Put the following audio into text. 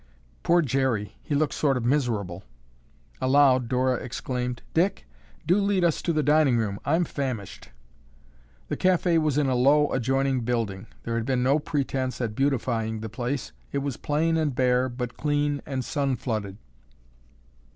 Poor Jerry, he looks sort of miserable." Aloud Dora exclaimed, "Dick, do lead us to the dining room. I'm famished." The cafe was in a low, adjoining building. There had been no pretense at beautifying the place. It was plain and bare but clean and sun flooded.